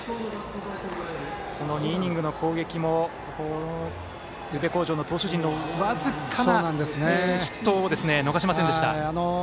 その２イニングの攻撃も宇部鴻城の投手陣の僅かな失投を逃しませんでした。